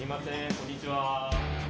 こんにちは。